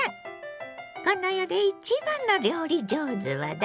この世で一番の料理上手はだれ？